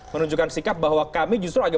menunjukkan sikap bahwa kami justru agak